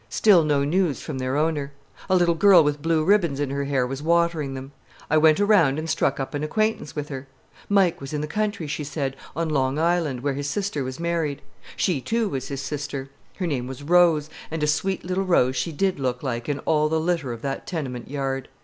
Still no news from their owner. A little girl with blue ribbons in her hair was watering them. I went around and struck up an acquaintance with her. Mike was in the country, she said, on Long Island, where his sister was married. She, too, was his sister. Her name was Rose, and a sweet little rose she did look like in all the litter of that tenement yard.